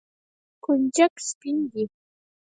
کنجد سپین دي.